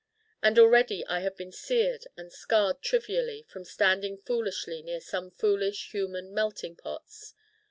And already I have been seared and scarred trivially from standing foolishly near some foolish human melting pots.